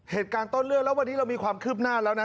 เหตุการณ์ต้นเรื่องแล้ววันนี้เรามีความคืบหน้าแล้วนะ